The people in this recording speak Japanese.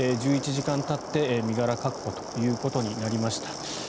１１時間たって身柄確保ということになりました。